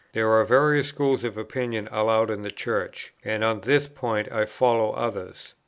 There are various schools of opinion allowed in the Church: and on this point I follow others.